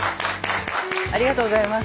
ありがとうございます。